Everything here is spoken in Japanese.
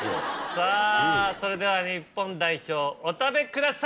さぁそれでは日本代表お食べください。